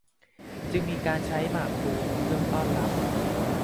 จึงมีการใช้หมากพลูเป็นเครื่องต้อนรับ